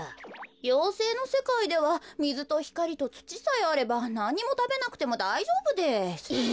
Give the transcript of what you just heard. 妖精のせかいではみずとひかりとつちさえあればなんにもたべなくてもだいじょうぶです。え！